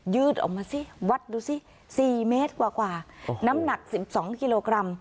ยืดออกมาสิวัดดูสิสี่เมตรกว่ากว่าน้ำหนักสิบสองกิโลกรัม